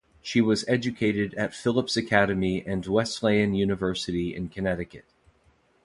She was educated at Phillips Academy and Wesleyan University in Connecticut.